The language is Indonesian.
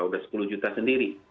sudah sepuluh juta sendiri